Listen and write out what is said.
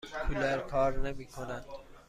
کولر کار نمی کند.